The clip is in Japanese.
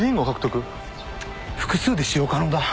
複数で使用可能だ。